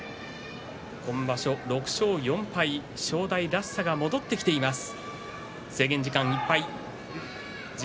今場所６勝４敗正代らしさが戻ってきています。